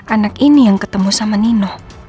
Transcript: anak ini yang ketemu sama nino